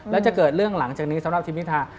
แล้วจะเกิดเรื่องหลังจากนี้สำหรับทีมพิธา